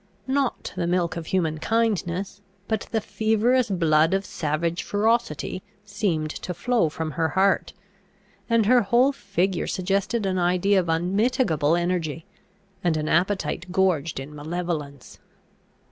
Not the milk of human kindness, but the feverous blood of savage ferocity, seemed to flow from her heart; and her whole figure suggested an idea of unmitigable energy, and an appetite gorged in malevolence.